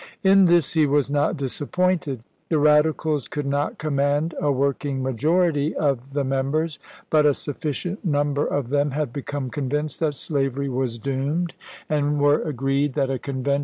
In this he was not disap "Tribime? pointed. The Radicals could not command a work Feb 27 1864. ' ing majority of the members, but a sufficient num ber of them had become convinced that slavery was doomed, and were agreed that a Convention should ing.